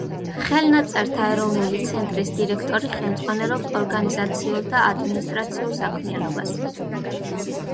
ხელნაწერთა ეროვნული ცენტრის დირექტორი ხელმძღვანელობს ორგანიზაციულ და ადმინისტრაციულ საქმიანობას.